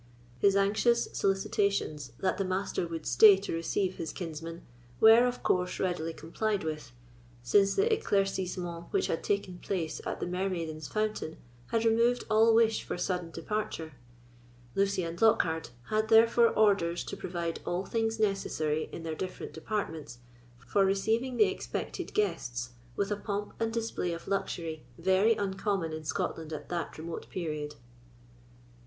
His anxious solicitations that the Master would stay to receive his kinsman, were, of course, readily complied with, since the éclaircissement which had taken place at the Mermaiden's Fountain had removed all wish for sudden departure. Lucy and Lockhard, had, therefore, orders to provide all things necessary in their different departments, for receiving the expected guests with a pomp and display of luxury very uncommon in Scotland at that remote period.